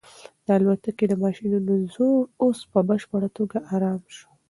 د الوتکې د ماشینونو زور اوس په بشپړه توګه ارام شو.